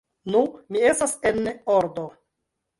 Nu, mi estas en ordo!